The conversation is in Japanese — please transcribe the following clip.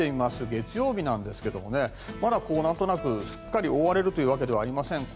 月曜日ですがまだ何となくすっかり覆われるわけではありません。